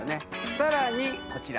更にこちら。